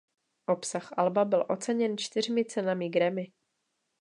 Obsah alba byl oceněn čtyřmi cenami Grammy.